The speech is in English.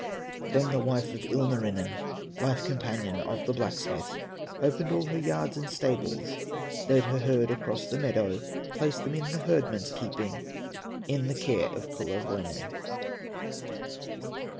Then the wife of Ilmarinen, Life companion of the blacksmith, Opened all her yards and stables, Led her herd across the meadow, Placed them in the herdman's keeping, In the care of Kullerwoinen.